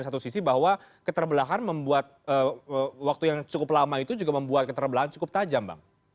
satu sisi bahwa keterbelahan membuat waktu yang cukup lama itu juga membuat keterbelahan cukup tajam bang